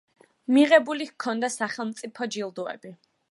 მიღებული ჰქონდა სახელმწიფო ჯილდოები.